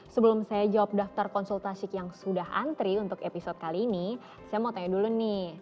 sebelum saya jawab daftar konsultasik yang sudah antri untuk episode kali ini saya mau tanya dulu nih